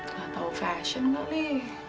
nggak tahu fashion kali